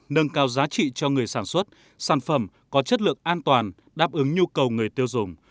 nâng cao giá trị cho người sản xuất sản phẩm có chất lượng an toàn đáp ứng nhu cầu người tiêu dùng